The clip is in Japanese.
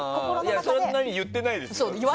そんなに言ってないですよ。